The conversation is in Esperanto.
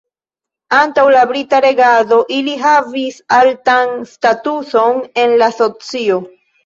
Antaŭ la brita regado, ili havis altan statuson en la socio.